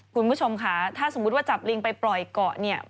คุณผู้ชมค่ะถ้าสมมุติว่าจับลิงไปปล่อยเกาะเนี่ย